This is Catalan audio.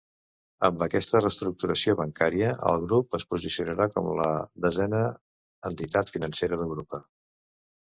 Amb aquesta reestructuració bancària el grup es posicionà com la desena entitat financera d'Europa.